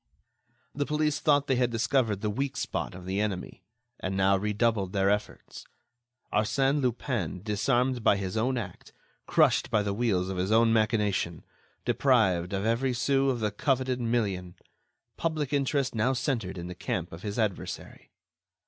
The police thought they had discovered the weak spot of the enemy, and now redoubled their efforts. Arsène Lupin disarmed by his own act, crushed by the wheels of his own machination, deprived of every sou of the coveted million ... public interest now centered in the camp of his adversary.